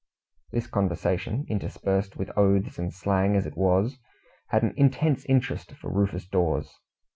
This conversation, interspersed with oaths and slang as it was, had an intense interest for Rufus Dawes.